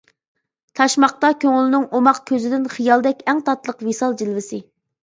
تاشماقتا كۆڭۈلنىڭ ئوماق كۆزىدىن، خىيالدەك ئەڭ تاتلىق ۋىسال جىلۋىسى.